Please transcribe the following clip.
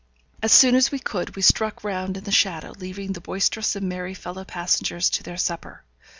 As soon as we could, we struck round in the shadow, leaving the boisterous and merry fellow passengers to their supper.